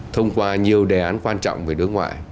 thông qua nhiều đề án quan trọng về đối ngoại